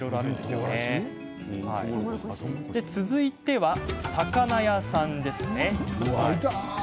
続いては、魚屋さん。